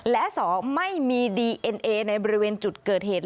และ๒ไม่มีดีเอ็นเอในบริเวณจุดเกิดเหตุ